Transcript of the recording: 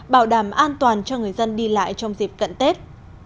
bảo đảm an toàn cho người dân đi lại trong dịp cận tết